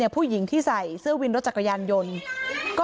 ผู้หญิงที่ใส่เสื้อวินรถจักรยานยนต์